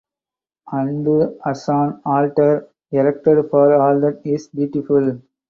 And as an altar erected for all that is beautiful.